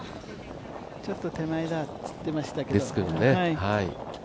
ちょっと手前だって言っていましたけど。